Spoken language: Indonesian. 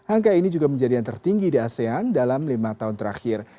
angka ini juga menjadi yang tertinggi di asean dalam lima tahun terakhir